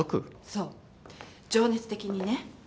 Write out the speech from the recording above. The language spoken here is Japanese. そう情熱的にね。